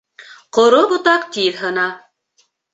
Ҡоро ботаҡ тиҙ һына.